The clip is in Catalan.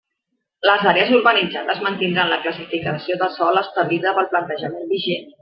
Les àrees urbanitzades mantindran la classificació de sòl establida pel planejament vigent.